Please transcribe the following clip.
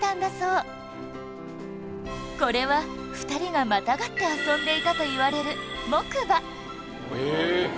これは２人がまたがって遊んでいたといわれる木馬